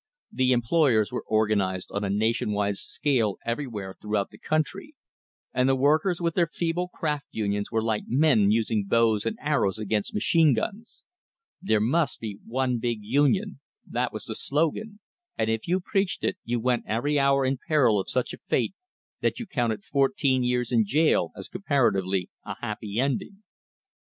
The employers were organized on a nation wide scale everywhere throughout the country, and the workers with their feeble craft unions were like men using bows and arrows against machine guns. There must be One Big Union that was the slogan, and if you preached it, you went every hour in peril of such a fate that you counted fourteen years in jail as comparatively a happy ending.